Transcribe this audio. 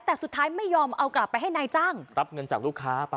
แต่สุดท้ายไม่ยอมเอากลับไปให้นายจ้างรับเงินจากลูกค้าไป